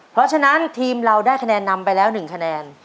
เพราะฉะนั้นทีมเราได้คะแนนนำไปแล้ว๑คะแนน